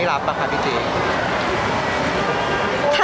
พี่ตอบได้แค่นี้จริงค่ะ